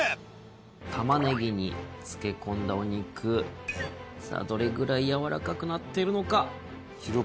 タマネギに漬け込んだお肉さぁどれぐらいやわらかくなってるのか？